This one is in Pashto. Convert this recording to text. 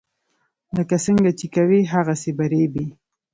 لکه څنګه چې کوې هغسې به ریبې.